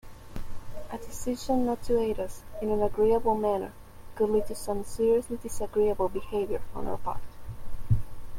A decision not to aid us in an agreeable manner could lead to some seriously disagreeable behaviour on our part.